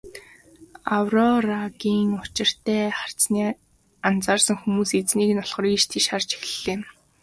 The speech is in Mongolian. Аврорагийн учиртай харцыг анзаарсан хүмүүс эзнийг нь олохоор ийш тийш харж эхэлжээ.